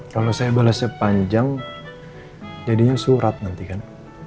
kalau saya balas sepanjang jadinya surat nanti kan